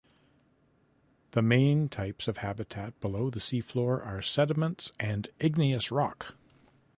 The main types of habitat below the seafloor are sediments and igneous rock.